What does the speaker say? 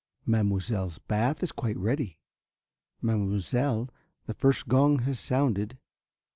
"Mademoiselle's bath is quite ready." "Mademoiselle, the first gong has sounded."